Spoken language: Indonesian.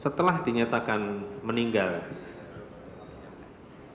setelah dinyatakan meninggal dihadapan dokter perawat dan keluarga